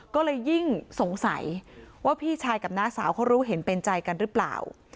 ก็เลยยิ่งสงสัยว่าพี่ชายกับน้าสาวเขารู้เห็นเป็นใจกันหรือเปล่า